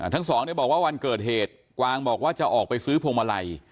ทั้งสองบอกว่าวันเกิดเหตุกวางบอกว่าจะออกไปซื้อพวงมาลัย